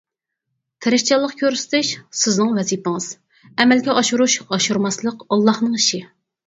تىرىشچانلىق كۆرسىتىش سىزنىڭ ۋەزىپىڭىز، ئەمەلگە ئاشۇرۇش ئاشۇرماسلىق ئاللانىڭ ئىشى.